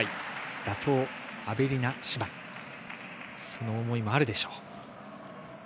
打倒アベリナ姉妹、その思いもあるでしょう。